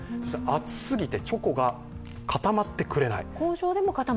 暑すぎてチョコが固まってくれない。